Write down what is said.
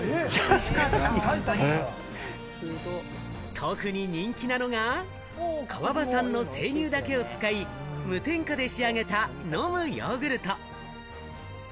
特に人気なのが川場産の生乳だけを使い、無添加で仕上げた飲むヨーグルト。